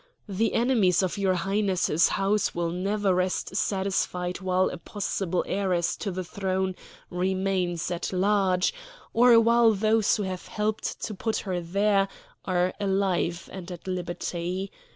The enemies of your Highness's house will never rest satisfied while a possible heiress to the throne remains at large, or while those who have helped to put her there are alive and at liberty.